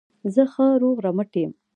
زه ښه روغ رمټ یم.